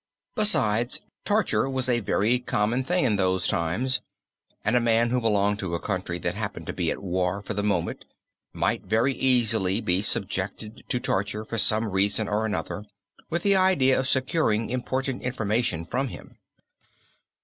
Besides torture was a very common thing in those times and a man who belonged to a country that happened to be at war for the moment, might very easily be subjected to torture for some reason or another with the idea of securing important information from him.